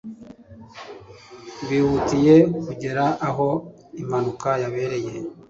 bihutiye kugera aho impanuka yabereye